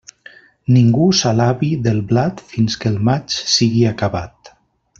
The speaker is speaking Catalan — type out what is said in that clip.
Ningú s'alabi del blat, fins que el maig sigui acabat.